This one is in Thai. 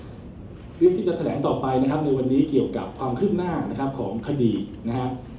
วิธีที่จะแถลงต่อไปในวันนี้เกี่ยวกับความขึ้นหน้าของคดีนะครับ